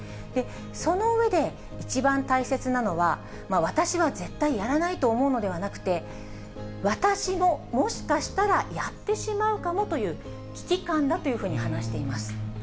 その上で、一番大切なのは、私は絶対やらないと思うのではなくて、私ももしかしたらやってしまうかもという危機感だというふうに話しています。